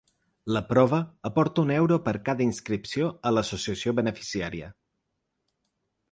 La prova aporta un euro per cada inscripció a l’associació beneficiària.